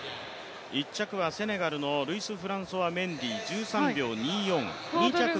１着はフランスのルイス・フランソワ・メンディー、１３秒２４。